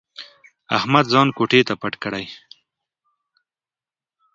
احمد ځان کوټې ته پټ کړي.